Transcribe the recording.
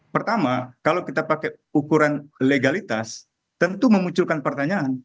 pertama kalau kita pakai ukuran legalitas tentu memunculkan pertanyaan